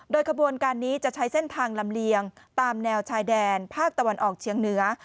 โดยขบวนการนี้จะใช้เส้นทางลำเลียงตามแนวชายแดนภาคตะวันออกเชียงเหนือ